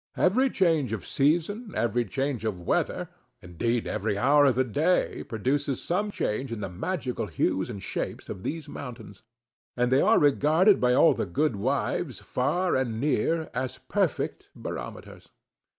Every change of season, every change of weather, indeed, every hour of the day, produces some change in the magical hues and shapes of these mountains, and they are regarded by all the good wives, far and near, as perfect barometers.